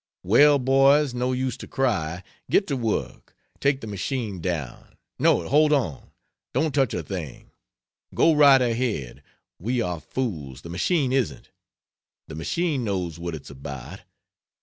"Well, boys, no use to cry. Get to work take the machine down. No Hold on! don't touch a thing! Go right ahead! We are fools, the machine isn't. The machine knows what it's about.